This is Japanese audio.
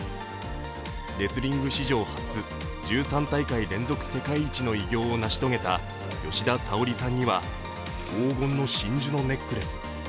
レスリング史上初１３大会連続世界一の偉業を成し遂げた吉田沙保里さんには黄金の真珠のネックレス。